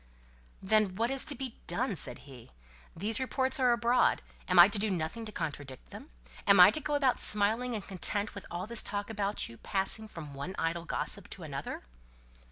"Then, what is to be done?" said he. "These reports are abroad, am I to do nothing to contradict them? Am I to go about smiling and content with all this talk about you, passing from one idle gossip to another?"